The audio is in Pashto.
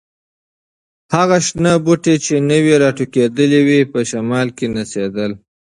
هغه شنه بوټي چې نوي راټوکېدلي وو، په شمال کې نڅېدل.